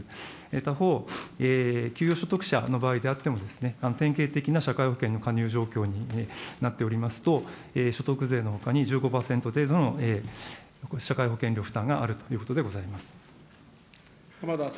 他方、給与所得者の場合であっても、典型的な社会保険の加入状況になっておりますと、所得税のほかに１５％程度の社会保険料負担があるということでご浜田聡